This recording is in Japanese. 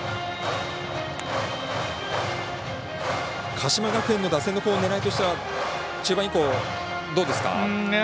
鹿島学園の打線の狙いとしては中盤以降どうですか？